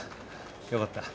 良かった。